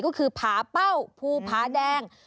ก็คือผาเป้าภูผาแดง